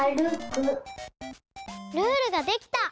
ルールができた！